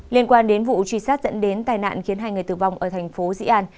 liên quan đến vụ truy sát dẫn đến tai nạn khiến hai người tử vong ở thành phố dĩ an